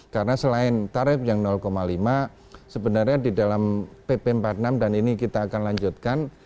karena selain tarif yang lima sebenarnya di dalam pp empat puluh enam dan ini kita akan lanjutkan